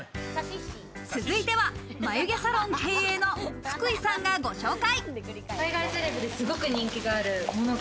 続いては眉毛サロン経営の福井さんがご紹介。